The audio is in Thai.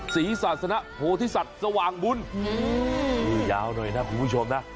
ศาสนโพธิสัตว์สว่างบุญนี่ยาวหน่อยนะคุณผู้ชมนะ